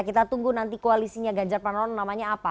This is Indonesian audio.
kita tunggu nanti koalisinya ganjar pranowo namanya apa